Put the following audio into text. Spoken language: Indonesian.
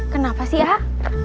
kenapa sih ah